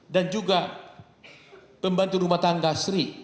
dan juga pembantu rumah tangga sri